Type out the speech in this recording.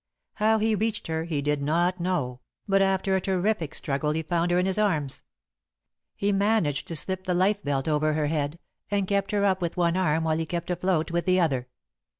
How he reached her he did not know; but after a terrific struggle he found her in his arms. He managed to slip the lifebelt over her head, and kept her up with one arm while he kept afloat with the other.